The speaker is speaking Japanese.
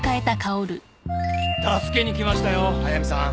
助けに来ましたよ速見さん！